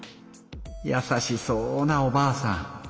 やさしそうなおばあさん。